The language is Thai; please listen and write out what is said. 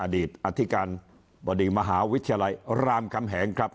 อดีตอธิการบดีมหาวิทยาลัยรามคำแหงครับ